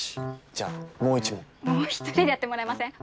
じゃあもう１問もう１人でやってもらえません？